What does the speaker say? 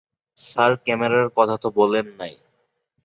Sir ক্যামেরার কথা তো বলেন নাই।